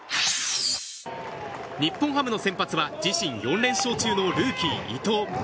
日本ハムの先発は自身４連勝中のルーキー伊藤。